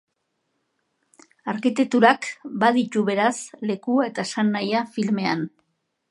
Arkitekturak baditu, beraz, lekua eta esanahia filmean.